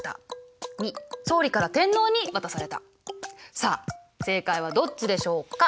さあ正解はどっちでしょうか？